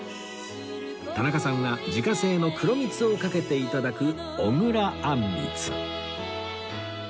田中さんは自家製の黒蜜をかけて頂く小倉あんみつ